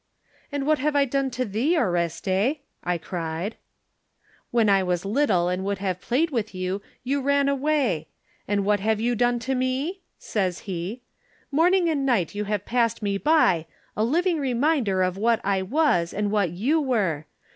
"And what have I done to thee, Oreste?'* I cried. "When I was little and would have played with you, you ran away. And what have you done to me?" says he. "Morning and night you have passed me by, a living reminder of what I was and what you were.